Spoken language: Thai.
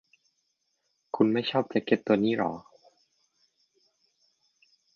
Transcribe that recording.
คุณไม่ชอบแจ๊คเก็ตตัวนี้หรอ